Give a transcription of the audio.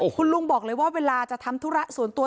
คุณลุงบอกเลยว่าเวลาจะทำธุระส่วนตัว